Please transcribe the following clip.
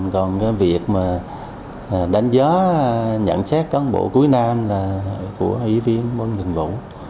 còn cái việc mà đánh giá nhận xét con bộ cuối năm là của ủy viên bán đơn vụ